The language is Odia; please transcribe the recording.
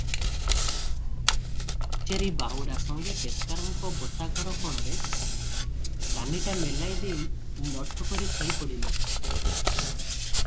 କଚେରି ବାହୁଡ଼ା ସଙ୍ଗେ ପେସ୍କାରଙ୍କ ବସାଘର କୋଣରେ କାନିଟା ମେଲାଇ ଦେଇ ଲଠ କରି ଶୋଇ ପଡିଲେ ।